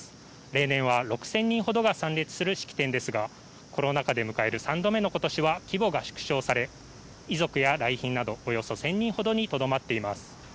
例年は６０００人ほどが参列する式典ですがコロナ禍で迎える３度目の今年は規模が縮小され遺族や来賓などおよそ１０００人ほどにとどまっています。